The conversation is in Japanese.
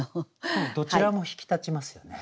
どちらも引き立ちますよね。